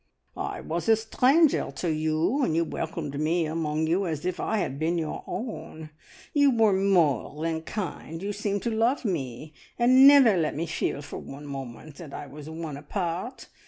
"I was a stranger to you, and you welcomed me among you as if I had been your own. You were more than kind, you seemed to love me, and never let me feel for one moment that I was one apart.